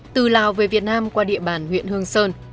từ lào về việt nam qua địa bàn huyện hương sơn